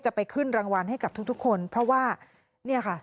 ไปขึ้นรางวัลให้กับทุกทุกคนเพราะว่าเนี่ยค่ะ